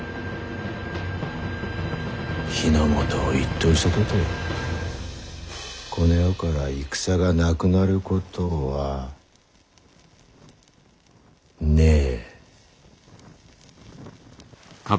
日ノ本を一統したとてこの世から戦がなくなることはねえ。